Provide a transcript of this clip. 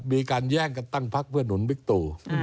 มีการแย่งกันตั้งภักดิ์เพื่อนหนุนวิกตุ